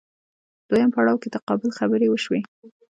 دویم پړاو کې تقابل خبرې وشوې